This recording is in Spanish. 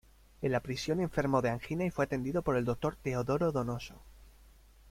En la prisión enfermó de angina y fue atendida por el doctor Teodoro Donoso.